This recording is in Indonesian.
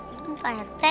itu pak yate